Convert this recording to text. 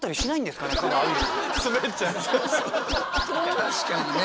確かにね。